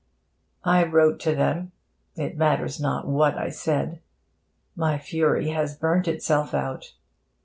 I wrote to them it matters not what I said. My fury has burnt itself out.